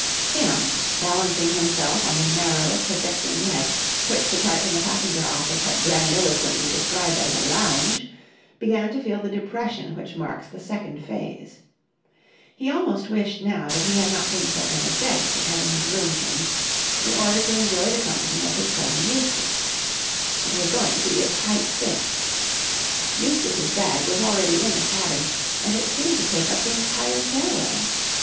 Sam, balancing himself on the narrow, projecting ledge which the chart in the passenger office had grandiloquently described as a lounge, began to feel the depression which marks the second phase. He almost wished now that he had not been so energetic in having his room changed in order to enjoy the company of his cousin Eustace. It was going to be a tight fit. Eustace's bag was already in the cabin, and it seemed to take up the entire fairway.